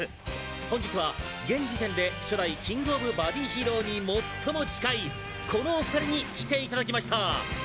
本日は現時点で初代キング・オブ・バディヒーローに最も近いこのお２人に来て頂きました。